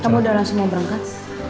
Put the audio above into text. kamu udah langsung mau berangkat